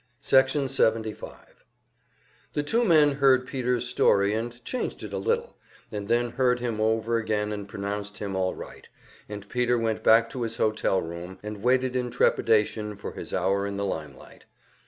Section 75 The two men heard Peter's story and changed it a little, and then heard him over again and pronounced him all right, and Peter went back to his hotel room and waited in trepidation for his hour in the limelight.